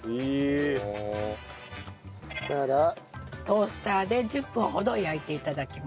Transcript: トースターで１０分ほど焼いて頂きます。